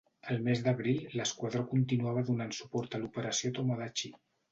Al mes d'abril l'esquadró continuava donant suport a l'Operació Tomodachi.